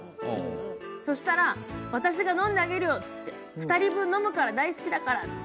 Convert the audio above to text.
そしたら、私が飲んであげるよ、２人分飲むから、大好きだからって。